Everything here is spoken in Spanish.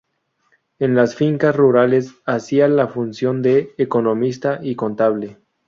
En las fincas rurales hacía la función de economista y contable.